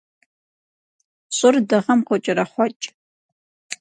Щӏыр Дыгъэм къокӏэрэхъуэкӏ.